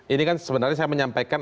ini kan sebenarnya saya menyampaikan